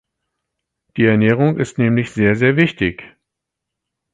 Die Ernährung ist nämlich sehr, sehr wichtig!